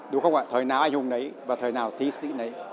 đúng không ạ thời nào anh hùng nấy và thời nào thi sĩ nấy